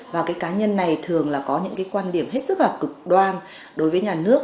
và cái cá nhân này thường là có những cái quan điểm hết sức là cực đoan đối với nhà nước